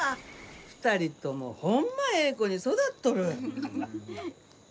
２人ともホンマええ子に育っとる。